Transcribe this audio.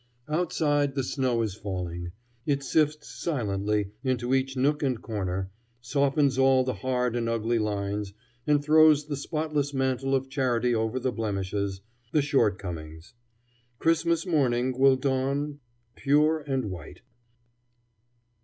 Outside the snow is falling. It sifts silently into each nook and corner, softens all the hard and ugly lines, and throws the spotless mantle of charity over the blemishes, the shortcomings. Christmas morning will dawn pure and white.